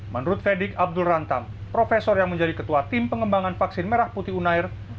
menurut fedik abdul rantam profesor yang menjadi ketua tim pengembangan vaksin merah putih unair